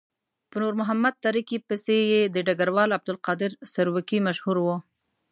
په نور محمد تره کي پسې یې د ډګروال عبدالقادر سروکي مشهور وو.